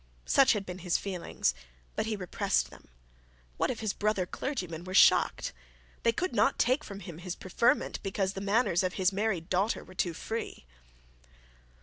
Such had been his feelings, but he repressed them. What if his brother clergymen were shocked! They could not take it from his preferment because the manners of his married daughter were too free.